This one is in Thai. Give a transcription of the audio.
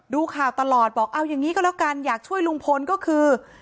ดูข่าวตลอดบอกเอาอย่างนี้ก็แล้วกันอยากช่วยลุงพลก็คือ